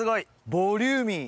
ボリューミー。